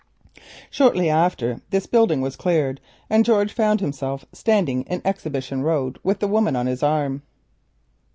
Shortly after this the building was cleared, and George found himself standing in Exhibition Road with the woman on his arm.